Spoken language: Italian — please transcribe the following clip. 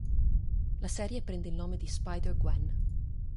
La serie prende il nome di "Spider-Gwen".